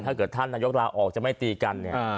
ถ้าเกิดท่านนายกลาออกจะไม่ตีกันเนี่ย